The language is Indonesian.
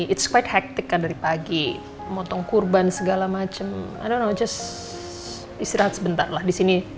it's quite hektik kan dari pagi motong kurban segala macem i don't know just istirahat sebentar lah di sini